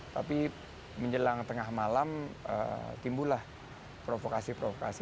tapi menjelang tengah malam timbulah provokasi provokasi